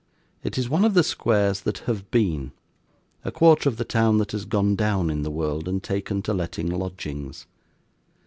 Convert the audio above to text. It is one of the squares that have been; a quarter of the town that has gone down in the world, and taken to letting lodgings.